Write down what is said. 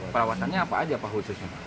perawatannya apa aja pak khususnya